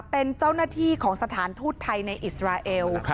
เป็นเจ้าหน้าที่ของสถานทูตไทยในอิสราเอล